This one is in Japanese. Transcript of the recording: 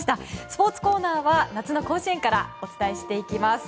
スポーツコーナーは夏の甲子園からお伝えしていきます。